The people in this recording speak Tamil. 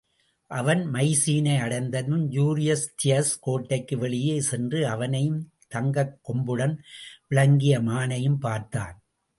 அவன் மைசீனை அடைந்ததும், யூரிஸ்தியஸ் கோட்டைக்கு வெளியே சென்று, அவனையும் தங்கக் கொம்புடன் விளங்கிய மானையும் பார்த்தான்.